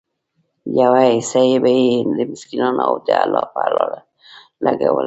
يوه حيصه به ئي د مسکينانو او د الله په لاره لګوله